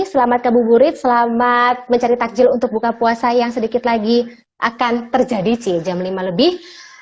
selamat ke buburit selamat mencari takjil untuk buka puasa yang sedikit lagi akan terjadi sih jam lima lebih